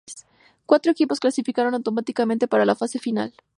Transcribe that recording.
Cuatro equipos clasificaron automáticamente para la fase final.